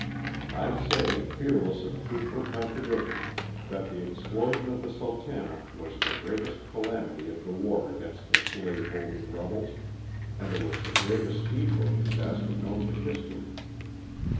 I say, fearless of truthful contradiction, that the explosion of the "Sultana" was the greatest calamity of the war against the slave holding rebels, and it was the greatest steamboat disaster known to history.